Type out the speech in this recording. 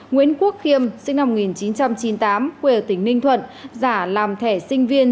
nguyễn quốc khiêm sinh năm một nghìn chín trăm chín mươi tám quê ở tỉnh ninh thuận giả làm thẻ sinh viên